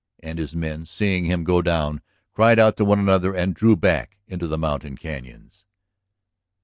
And his men, seeing him go down, cried out to one another and drew back into the mountain cañons.